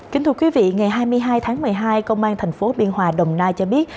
kính thưa quý vị ngày hai mươi hai tháng một mươi hai công an thành phố biên hòa đồng nai cho biết